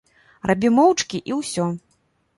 Рабі моўчкі, і ўсё.